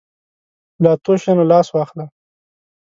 له اتو شیانو لاس واخله.